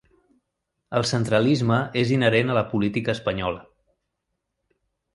El centralisme és inherent a la política espanyola.